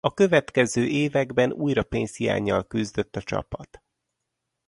A következő években újra pénzhiánnyal küzdött a csapat.